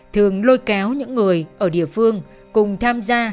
thường lôi kéo những người ở địa phương cùng tham gia